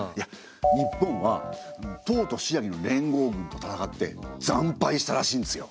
日本は唐と新羅の連合軍と戦って惨敗したらしいんですよ。